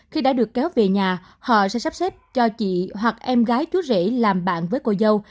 khi đã được kéo về nhà họ sẽ sắp xếp cho chị hoặc em gái chú rể làm bạn với cô dâu